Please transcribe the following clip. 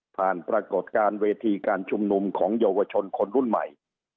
ปรากฏการณ์เวทีการชุมนุมของเยาวชนคนรุ่นใหม่